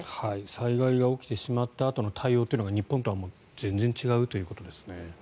災害が起きてしまったあとの対応というのが日本とは全然違うということですね。